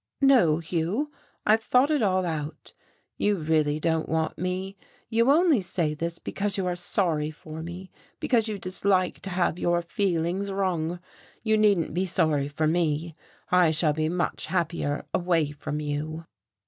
"No, Hugh, I've thought it all out. You really don't want me. You only say this because you are sorry for me, because you dislike to have your feelings wrung. You needn't be sorry for me, I shall be much happier away from you."